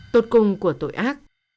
tột cùng của tội ác